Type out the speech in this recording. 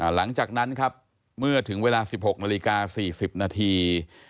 หลังจากนั้นครับเมื่อถึงเวลา๑๖นาฬิกา๔๐นาที